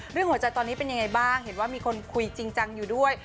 หัวใจตอนนี้เป็นยังไงบ้างเห็นว่ามีคนคุยจริงจังอยู่ด้วย